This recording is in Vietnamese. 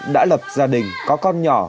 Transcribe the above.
đã lập gia đình có con nhỏ